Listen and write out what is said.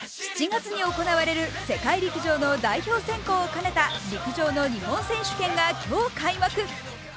７月に行われる世界陸上の代表選考をかねた陸上の日本選手権が今日開幕。